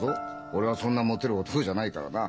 俺はそんなモテる男じゃないからなあ。